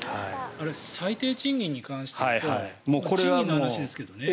最低賃金に関して言うと賃金の話ですけどね。